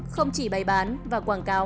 không chỉ bày bán và quảng cáo